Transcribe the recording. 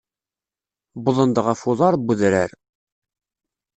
Wwḍen-d ɣef uḍar n udrar.